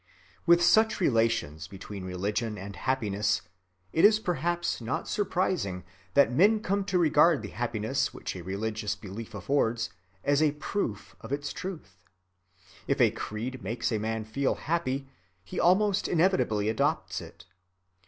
With such relations between religion and happiness, it is perhaps not surprising that men come to regard the happiness which a religious belief affords as a proof of its truth. If a creed makes a man feel happy, he almost inevitably adopts it.